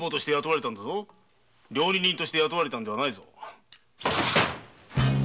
料理人として雇われたんじゃないぞ。